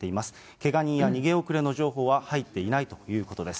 けが人や逃げ遅れの情報は入っていないということです。